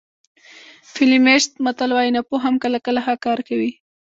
فلیمیش متل وایي ناپوه هم کله کله ښه کار کوي.